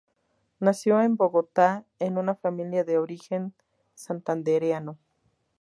Nació en Bogotá en una familia de origen santandereano.